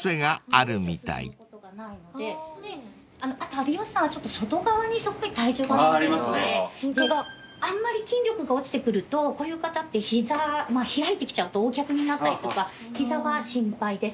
有吉さんは外側に体重が乗ってるのであんまり筋力が落ちてくるとこういう方って膝開いてきちゃうとＯ脚になったりとか膝が心配です。